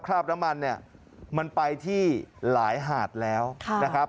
คราบน้ำมันเนี่ยมันไปที่หลายหาดแล้วนะครับ